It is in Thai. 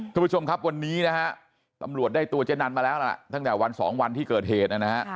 คุณผู้ชมครับวันนี้นะฮะตำรวจได้ตัวเจ๊นันมาแล้วล่ะตั้งแต่วันสองวันที่เกิดเหตุนะฮะ